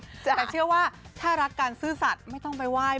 แต่เชื่อว่าถ้ารักการซื่อสัตว์ไม่ต้องไปไหว้